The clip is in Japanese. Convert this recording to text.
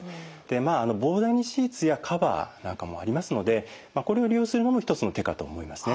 まあ防ダニシーツやカバーなんかもありますのでこれを利用するのも一つの手かと思いますね。